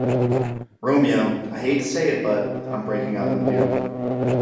Romeo, I hate to say it but, I'm breaking up with you.